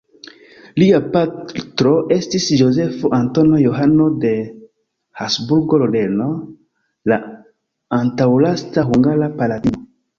Lia patro estis Jozefo Antono Johano de Habsburgo-Loreno, la antaŭlasta hungara palatino.